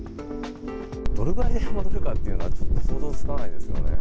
どれぐらいで戻るかというのは、想像つかないですよね。